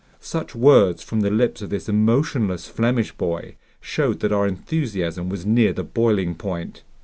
Such words from the lips of this emotionless Flemish boy showed that our enthusiasm was near the boiling point.